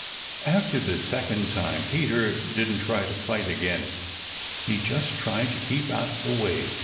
After the second time Peter didn't try to fight again. He just tried to keep out of the way.